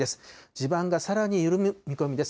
地盤がさらに緩む見込みです。